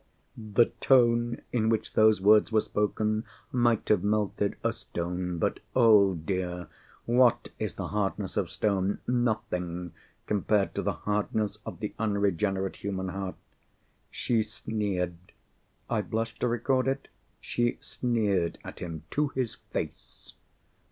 The tone in which those words were spoken might have melted a stone. But, oh dear, what is the hardness of stone? Nothing, compared to the hardness of the unregenerate human heart! She sneered. I blush to record it—she sneered at him to his face.